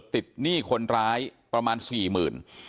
หนี้คนร้ายประมาณสี่หมื่น